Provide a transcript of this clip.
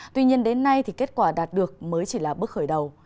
tuy nhiên đến nay thì kết quả đạt được mới chỉ là bước khởi đầu